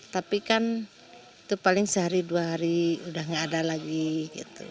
tapi kan itu paling sehari dua hari udah gak ada lagi gitu